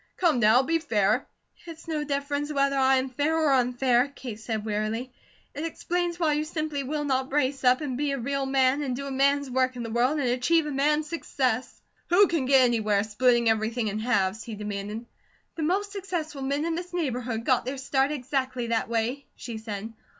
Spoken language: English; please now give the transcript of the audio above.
Come now, be fair!" "It's no difference whether I am fair or unfair," Kate said, wearily. "It explains why you simply will not brace up, and be a real man, and do a man's work in the world, and achieve a man's success." "Who can get anywhere, splitting everything in halves?" he demanded. "The most successful men in this neighbourhood got their start exactly that way," she said.